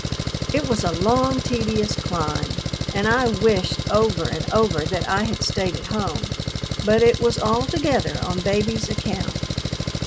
It was a long, tedious climb, and I wished over and over that I had stayed at home; but it was altogether on Baby's account.